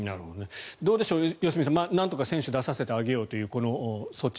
どうでしょう、良純さんなんとか、選手を出させてあげようという措置。